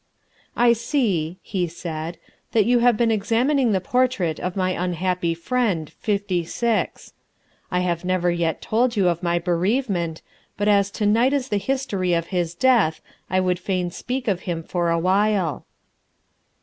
"I see," he said, "that you have been examining the portrait of my unhappy friend, Fifty Six. I have never yet told you of my bereavement, but as to night is the anniversary of his death, I would fain speak of him for a while."